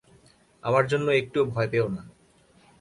আমার জন্য একটুও ভয় পেও না।